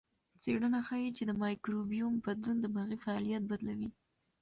څېړنه ښيي چې د مایکروبیوم بدلون دماغي فعالیت بدلوي.